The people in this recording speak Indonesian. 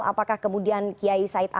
apakah kemudian kiai said